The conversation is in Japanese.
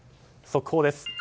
速報です。